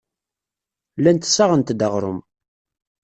Llant ssaɣent-d aɣrum.